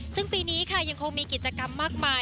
ซึ่งปีนี้ค่ะยังคงมีกิจกรรมมากมาย